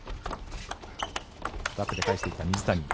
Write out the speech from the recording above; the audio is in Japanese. バックで返していった水谷。